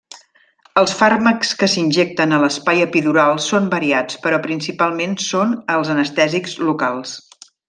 Els fàrmacs que s'injecten a l'espai epidural són variats, però principalment són els anestèsics locals.